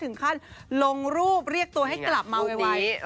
ถึงขั้นลงรูปเรียกตัวให้กลับมาไว